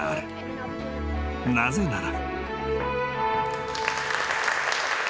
［なぜなら］